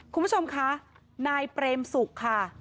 คุณผู้ชมคะนายเปรมศุกร์ค่ะ